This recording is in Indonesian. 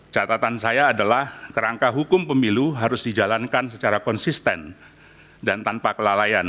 catatan saya adalah kerangka hukum pemilu harus dijalankan secara konsisten dan tanpa kelalaian